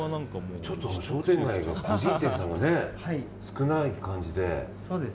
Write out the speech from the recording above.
ちょっと商店街は個人店さんが少ない感じで。